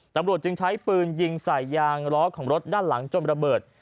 ตำรวจจึงใช้ปืนยิงใส่ยางล้อของรถด้านหลังจนระเบิด